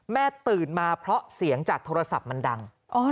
ตื่นมาเพราะเสียงจากโทรศัพท์มันดัง